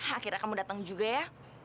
akhirnya kamu datang juga ya